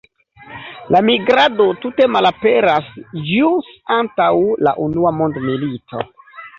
La migrado tute malaperas ĵus antaŭ la Unua mondmilito.